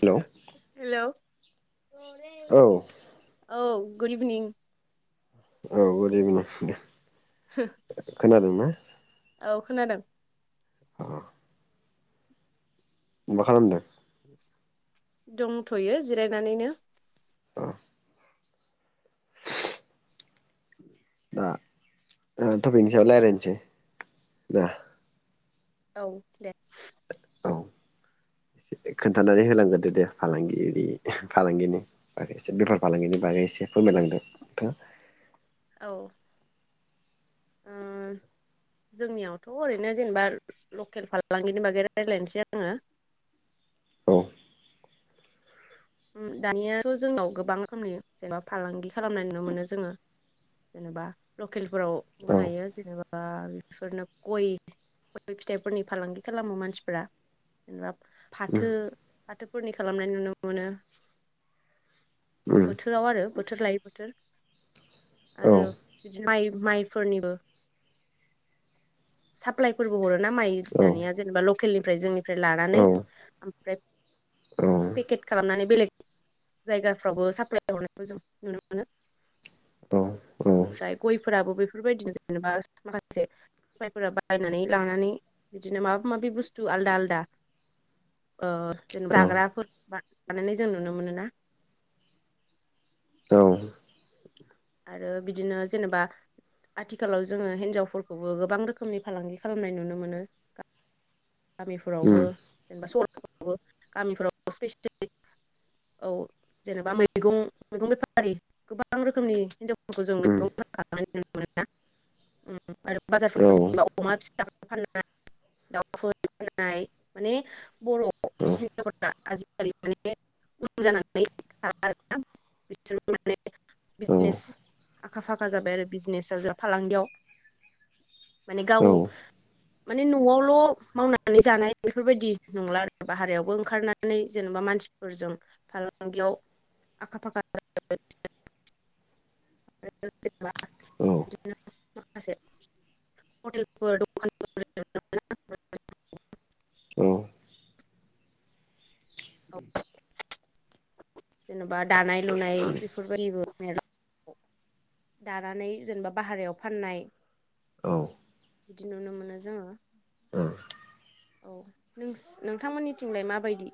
Hello hello! औ औ good evening औ गुड इभिनिं दे ह खोनादो ना औ खोनादों अ मा खालामदों दंथयो जिरायनानैनो अ दा टपिकनि सायाव रायज्लायसै दा औ दे औ एसे खोन्थानानै होलांग्रदो दे फालांगि फालांगिनि एसे बेफार फालांगिनि बार एसे फोरमायलांदों औ ओ जोंनियावथ' ओरैनो जेनेबा लकेल फालांगिनि बागै रायज्लायनोसै आङो औ दानियाथ' जोंनाव गोबां रोखोमनि जेनेबा फालांगि खालामनाय नुनो मोनो जोङो जेनेबा लकेलफोराव औ बुंनो हायो जेनेबा बेफोरनो गय गय फिथाइफोरनि फालांगि खालामो मानसिफोरा जेनेबा फाथो उम फाथोफोरनि खालामनाय नुनो मोनो उम बोथोराव आरो बोथोर लायै बोथोर औ आरो बिदिनो माइ माइफोरनिबो साप्लायफोरबो हर ना माइ औ दानिया जेनेबा लकेलनिफ्राय जोंनिफ्राय औ लानानै ओमफ्राय पेकेट खालामनानै बेलेग जायगाफ्रावबो साप्लाय हरनायखौ जों नुनो मोनो औ [inaudible] ओमफ्राय गयफोराबो बेफोरबायदिनो जेनेबा माखासे सफायफोरा बायनानै लानानै बिदिनो माबा माबि बुस्थु आलदा आलदा ओ जेनेबा औ जाग्राफोर बा बानायानानै जों नुनो मोनोना औ आरो बिदिनो जेनेबा आथिखालाव जोङो हिनजावफोरखौबो गोबां रोखोमनि फालांगि खालामनाय नुनो मोनो गामिफोरावबो उम जेनेबा सहरफोरावबो गामिफोरावबो स्पेसियेलि औ जेनेबा मैगं मैगं बेफारि गोबां रोखोमनि हिनजावफोरखौ जों उम मैगं [unintelligible] आरो औ बाजारफोराव जेनबा अमा फिसा फाननाय दाउ ‌ [unintelligible] माने बर' औ [unintelligible] बेजों माने औ बिजने आखा फाखा जाबाय आरो बिजनेसाव जोंहा फालांगियाव माने गाव औ माने न'आवल' मावनानै जानाय बेफोरबायदि नंला आरो बाहेरायावबो ओंखारनानै जेनेबा मानसिफोरजों फालांगियाव आखा फाखा आरो जेनबा बिदि मासे हटेल दखान औ औ। जेनेबा दानाय लुनाय बेफोरबायदि दानानै जेनेबा भारेरायाव फाननाय औ। बिदि नुनो मोनो जोङो औ औ नोस नों नोंथांमोननिथिंलाय माबायदि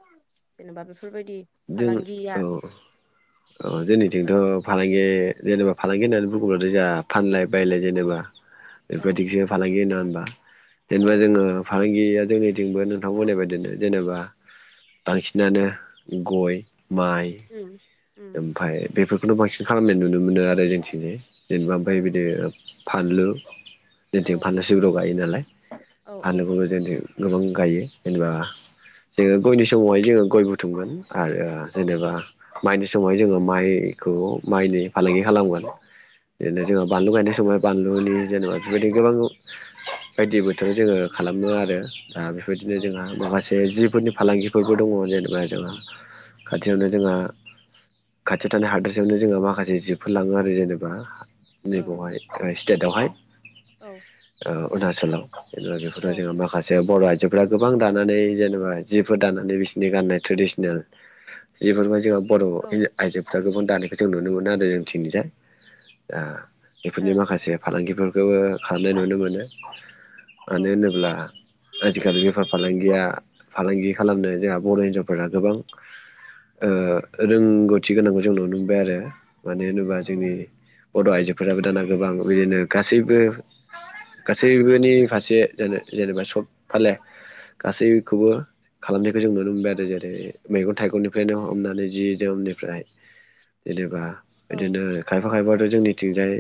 जेनेबा बेफोर बायदि। जों औ औ जोंनि जोंथ फालांगि जेनेबा फालांगि होननानै बुंङोब्लाथ जोंहा फानलाय बायलाय जेनेबा। बेफोर औ बायदिसो फालांगि होना होनबा औ जेनेबा जोङो फालांगि गिया जोंनिथिंबो नोंथांमोननि बाइदिनो जेनेबा बांसिनानो गय माइ उम उम ओमफाय बेफोरखौनो बांसिन खालामनाय नुनो मोनो आरो जोंनि थिंजाय। जेनेबा औ ओमफाय बिदि फानलु। औ जोंनिथिं फानलु सिब्र गायो नालाय औ औ फानलुखौबो जोंनिथिं गोबां गायो जेनेबा जोङो गयनि समाव हाय जोङो गय बुथुमगोन आरो जेनेबा माइनि समाव जोङो माइखौ माइनि फालांगि खालामगोन। बिदिनो जोंङो बानलु गायनाय समाव बानलुनि जेनेबा बेबायदि गोबां बायदि बोथोर जोङो खालाम मो आरो दा बेफोर बायदिनो औ ओ जोंहा माखासे जिफोरनि फालांगिफोरबो दङ जेनेबा जोंहा खाथियावनो जोंहा खाथियाव थानाय हादोरसायावनो जोंहा माखासे जिफोर लाङो आरो जेनेबा। नै औ बावहाय स्टेटयाव हाय औ। अरुणाचलाव जेनेबा बेफोर जोङो माखासे बर आइजोफ्रा गोबां दानानै जेनेबा जिफोर दानानै बिसोरनि गाननाय ट्रेडिसनेल। जिफोरबाय जोम बर औ ओ औ आइजोफ्रा गोबां दानायखौ जों नुनो मोनो आरो जोंनिथिं जाय ओ बेफोरनि माखासे फालांगिफोरखौबो खालामनाय नुनो मोनो। औ मानो होनोब्ला आजिखालि बेफार फालांगिया। फालांगि खालामनो जोंहा बर हिनजावफोरा गोबां ओ रोंगौथि गोनांखौ जों नुनो मोनबाय आरो मानो होनोबा जोंनि बर आइजोफोराबो दाना गोबां बिदिनो गासैबो गासैबोनि फारसे जेन जेनेबा सब फाले गासैखौबो खालामनायखौ जों नुनो मोनबाय आरो जेरै मैगं थाइगंनिफ्रायनो हमनानै जि जोमनिफ्राय जेनेबा औ बिदिनो खायफा खायफा जोंनिथिं जाय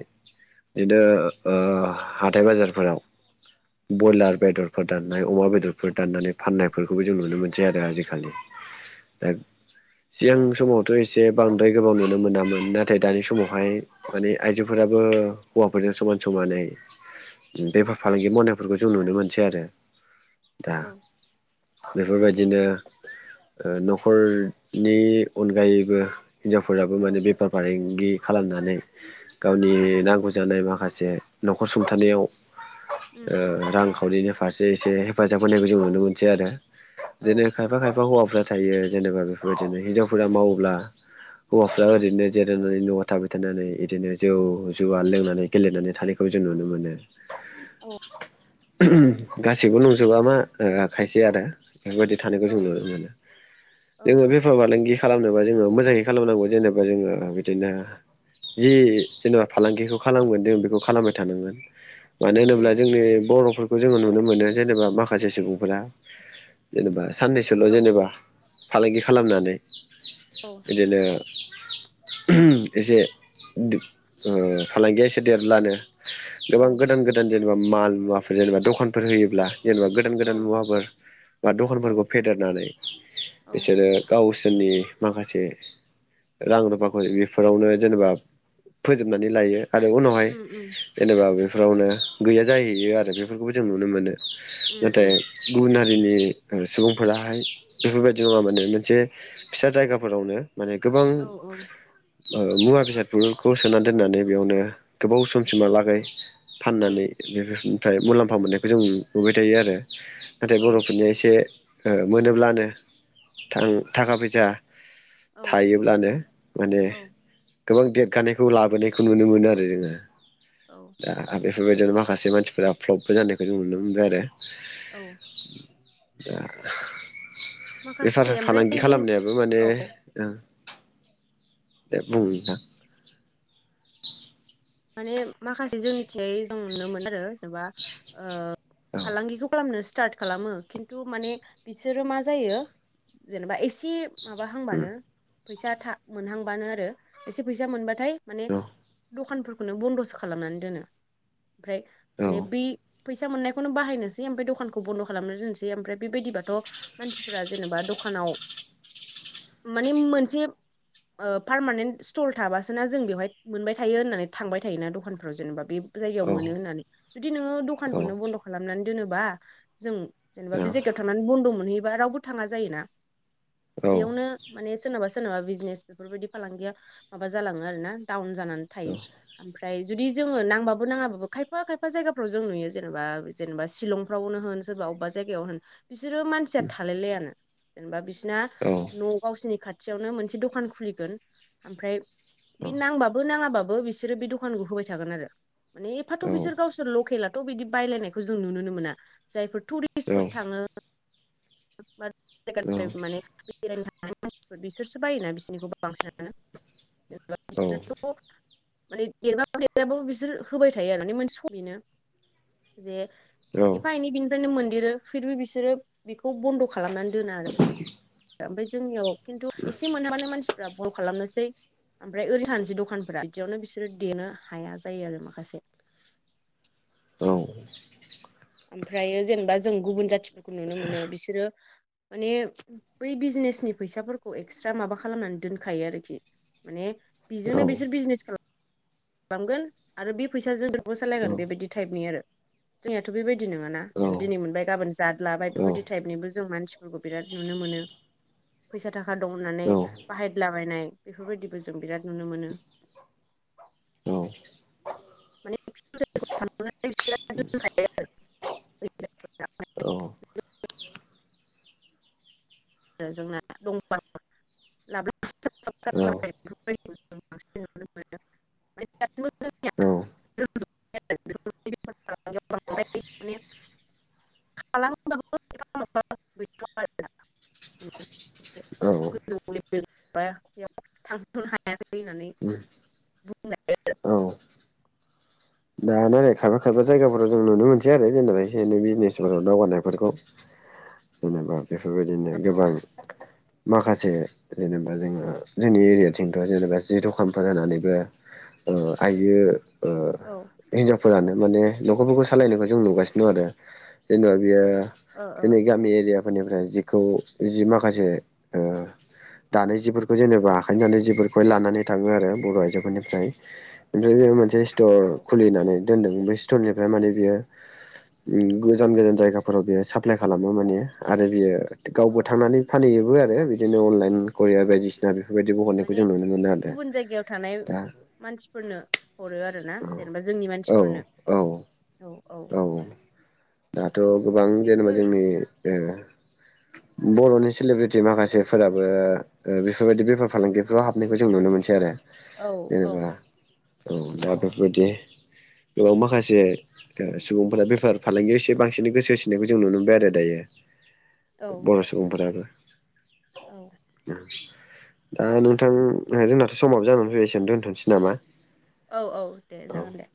बिदिनो ओ हाथाइ बाजारफोराव बयलार बेदरफोर दाननाय अमा बेदरफोर दाननानै फाननायफोरखौबो जों नुनो मोनसै आरो आजिखालि दा औ सिगां समावथ एसे बांद्राय गोबाव नुनो मोनामोन नाथाय दानि समावहाय माने आइजोफोराबो हौवाफोरजों समान समान माने बेफार फालांगि मावनायफोरखौ जों नुनो मोनसै आरो। दा औ बेफोर बायदिनो नखर नि अनगायैबो हिनजावफोराबो माने बेफार फालांगि खालामनानै गावनि नांगौ जानाय माखासे नखर सुंथानायाव उम ओ रांखावरिनि फारसे एसे हेफाजाब होनायखौ जों नुनो मोनसै आरो। औ बिदिनो खायफा खायफा हौवाफ्रा थायो जेनेबा बेफोर बायदिनो हिनजावफोरा मावोब्ला औ हौवाफोरा ओरैनो जे नानै नयाव थाबाय थानानै इदिनो जौ जुवा लोंनानै गेलेनानै थानायखौ जों नुनो मोनो। औ। गासैबो नंजोबा मा ओ खायसे आरो बेफोर बायदि थानायखौ जों औ नुनो मोनो औ जोङो बेफार फालांगि खालामनोबा जोङो मोजाङै खालामनांगौ जेनेबा जोङो बिदिनो जि जेनेबा फालांगिखौ खालामगोन जों बेखौ खालामबाय थानांगोन। मानो उम होनोब्ला उम जोंनि बर' फोरखौ जोङो नुनो मोनो जेनेबा माखासे सुबुंफोरा जेनेबा साननैसोल औ जेनेबा। फालांगि खालामनानै बिदिनो उम एसे फालांगिया ओ एसे देरब्लानो औ गोबां गोदान गोदान जेनेबा माल मुवाफोर जेनेबा दखानफोर होयोब्ला जेनेबा गोदान गोदान औ मुवाफोर बा औ दखानफोरखौ फेदेरनानै औ बिसोरो गाव सोरनि माखासे रां रुफाखौ बेफोरावनो जेनेबा फोजोबनानै लायो। आरो उनावहाय उम उम जेनेबा बेफोरावनो गैया जाहैयो आरो बेफोरखौबो जों नुनो मोनो। उम उम नाथाय गुबुन हारिनि सुबुंफोराहाय बेफोरबायदि जोंहा माने मोनसे फिसा जायगाफोरावनो माने गोबां औ औ ओ मुवा बेसादफोरखौ सोनानै दोननानै बेयावनो गोबाव समसिमहालागै उम फाननानै बेफोरनिफ्राय मुलाम्फा मोननायखौ जों नुबाय थायो आरो। नाथाय औ बर'फोरनिया एसे ओ मोनोब्लानो थां थाखा फैसा औ थायोब्लानो माने औ गोबां देेर गानायखौ लाबोनायखौ नुनो मोनो आरो जोङो औ दा बेफोरबायदियानो र माखासे मानसिफोरा फ्लबबो जानायखौ जों नुनो मोनबाय आरो। औ। दा बेफार माखासे फालांगि ओमफ्राय जों खालामनायाबो माने औ ओ दे बुं नोंथां। माने माखासे जोंनिथिजाय जों नुनो मोनो आरो जेनेबा ओ औ फालांगिखौ खालामनोसै स्टार्ट खालामो खिन्थु माने बिसोरो मा जायो जेनेबा एसे उम माबाहांबानो फैसा थ मोनहांबानो आरो एसे फैसा मोनबाथाय माने औ दखानफोरखौनो बन्द'सो खालामनानै दोनो ओमफ्राय औ माने बै फैसा मोननायखौनो बाहायनोसै ओमफ्राय दखानखौ बन्द' खालामनो दोनसै ओमफ्राय बेबायदिबाथ' मानसिफोरा जेनेबा दखानाव माने मोनसे ओ पारमानेन्ट स्टल थाबासो ना जों बेवहाय मोनबाय थायो होननानै थांबाय थायोना दखानफ्राव जेनेबा बे जायगायाव मोनो होननानै जुदि नोङो दखानखौनो बन्द' खालामनानै दोनोबा जों जेनेबा बे जायगायाव थांनानै बन्द' मोनहैयोबा रावबो थाङा जायोना। बेयावनो माने सोरनाबा सोरनाबा बिजनेस बेफोरबायदि फालांगिया माबा जालाङो आरो ना डाउन जानानै थायो ओमफ्राय जुदि जोङो नांबाबो नाङाबो खायफा खायफा जायगाफ्राव जों नुयो जेनेबा जेनेबा सिलंफ्रावनो होन। सोरबा अबा जायगायाव होन। बिसोरो मानसिया थालायलायानो जेनेबा बिसोरना औ न' गावसिनि खा थियावनो मोनसे दखान खुलिगोन ओमफ्राय औ बे नांबाबो नाङाबाबो बिसोरो बे दखानखौ होबाय थागोन आरो माने एफाथ' दानो बिसोर गावसोर लकेल थ' बिदि बायलायनायखौ जों नुनोनो मोना जायफोर टुरिस्फोर थाङो [unintelligible] मानसि बिसोरसो बायोना बिसिनिखौ बांसिनानो जेनेबा बिसोरथ' माने देरबा बो देराबाबो बिसोर होबाय थायो आरो माने मोनसे सम बेनो जे एफा एनै बिनिफ्रायनो मोनदेरो फिरबो बिसोरो बेखौ बन्द' खालामनानै दोना आरो। ओमफ्राय जोंनियाव खिन्थु एसे मोनाबानो मानसिफ्रा बल खालामनोसै। ओमफ्राय ओरैनो थानसै दखानफोरा बिदियावनो बिसोरो देनो हाया जायो आरो माखासे। [inaudible] औ। ओमफ्रायो जेनेबा जों गुबुन जाथिफोरखौ नुनो मोनो बिसोरो माने बै बिजनेसनि फैसाफोरखौ एक्सट्रा माबा खालामनानै दोनखायो आरोखि। माने बेजोंनो बिसोर बिजनेस खालामो खालामगोन आरो बे फैसाजोंबो सालायगोन बेबायदि टाइपनि आरो जोंनियाथ' बेबायदि ननोङाना दिनै मोनबाय गाबोन जाद लाबाय बेफोरबायदि ओरै टाइपनिबो जों म मानसिफोरखौ बिराद नुनो मोनो फैसा थाखा दं होननानै बाहायलाबायनाय बेफोरबायदिबो जों बिराद नुनो मोनो औ [unintelligible] [unintelligible] आरो जोंहा दंपा [unintelligible] [inaudible] [inaudible] खालाम [inaudible] औ औ [inaudible] थांथनो हायाखै होननानै बुंनाय औ दान आरो खायफा खायफा जायगाफोराव जों नुनो मोनसै आरो जेनेबा बिनो बिजनेसफोराव दावगानायफोरखौ जेनेबा बेफोरबायदिनो औ गोबां माखासे जेनेबा जोङा जोंनि एरियाथिंथ जेनेबा जि दखानफोर जानानैबो ओ आइयो औ फोरानो माने नखरफोरखौ सालायनायखौ जों नुगासिनो दं आरो जेनेबा बेयो दिनै ओ गामि एरियाफोरनिफ्राय जिखौ जि माखासे ओ दानाय जिफोरखौ जेनेबा आखायनि जिफोरखौहाय लानानै थाङो आरो बर आइजोफोरनिफ्राय ओमफ्राय बे मोन मोनसे स्टर खुलिनानै दोनदों बेै स्टरनिफ्राय माने बियो उ गोजान गोजान जायगाफोराव बे साप्लाय खालामो माने आरो बे औ गावबो थांनानै औ फानहैयोबो आरो बिदिनो अनलाइन करिया औ बायदिसिना बेफोरबायदिबो हरनायखौ माने जों नुनो मोनो आरो ना गुबुन जायगायाव थानाय दा मानसिफोरनो हरो आरो ना जेनेबा जोंनि औ मानसिफोरनो औ औ औ औ दाथ गोबां जेनेबा बेफोर जोंनि ओ बरनि सेलिब्रिटि माखासेफोराबो बेफोरबायदि बेफार फालांगिफोराव हाबनायखौ जों नुनो मोनसै आरो औ जेनेबा औ औ दा बेफोरबायदि गोबां माखासे दो सुबुंफोरा बेफार फालांगियाव एसे बांसिनै गोसो होनायखौ जों नुनो मोनबाय आरो दायो औ बर सुबुंफोराबो औ बे दा नोंथां जोंनाथ समाबो जानानै फैबाय एसेनो दोनथनोसै नामा औ औ दे औ जागोन दे